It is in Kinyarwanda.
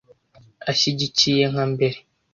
ashyigikiye nka mbere